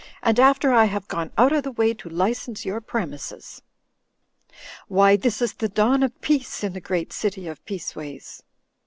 "And after I have gone out of the way to license your premises! Why, this is the dawn of peace in the great city of Peaceways.